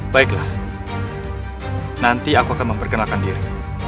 baiklah nanti aku akan memperkenalkan diri